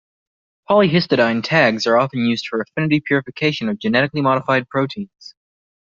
Polyhistidine-tags are often used for affinity purification of genetically modified proteins.